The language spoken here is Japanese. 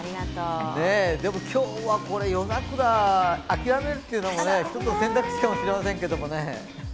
でも、今日は夜桜諦めるというのも一つの選択肢かもしれませんけどね。